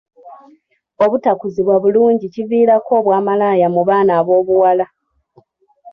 Obutakuzibwa bulungi kiviirako obwa malaaya mu baana ab'obuwala.